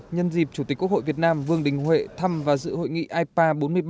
nhân dịp chủ tịch quốc hội việt nam vương đình huệ thăm và dự hội nghị ipa bốn mươi ba